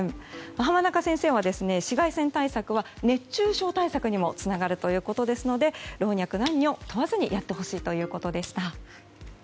浜中先生は紫外線対策は熱中症対策にもつながるということですので老若男女問わずにやってほしいということでした。